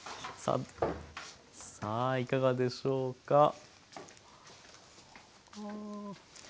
さあいかがでしょうか？